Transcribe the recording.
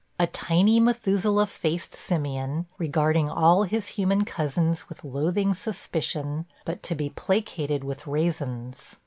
A tiny Methuselah faced simian, regarding all his human cousins with loathing suspicion, but to be placated with raisins.